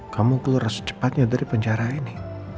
kamu keluar secepatnya dari penjara ini